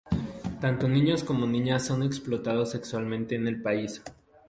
Tanto niños como niñas son explotados sexualmente en el país.